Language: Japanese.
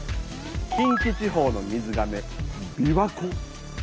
近畿地方の水がめ琵琶湖。